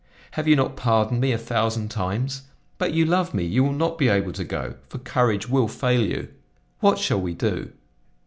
Have you not pardoned me a thousand times? But you love me, you will not be able to go, for courage will fail you. What shall we do?"